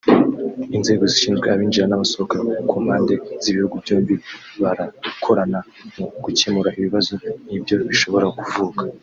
Inzego zishinzwe abinjira n’abasohoka (ku mpande z’ibihugu byombi) barakorana mu gukemura ibibazo nk’ibyo bishobora kuvuka